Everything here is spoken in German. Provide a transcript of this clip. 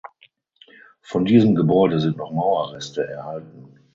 Von diesem Gebäude sind noch Mauerreste erhalten.